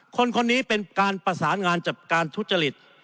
คนนี้เป็นการประสานงานจากการทุจริต